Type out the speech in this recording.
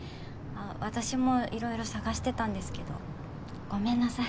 私もいろいろ探してたんですけどごめんなさい。